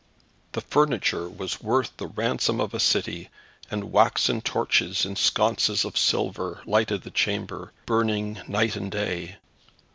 The furniture was worth the ransom of a city, and waxen torches in sconces of silver lighted the chamber, burning night and day.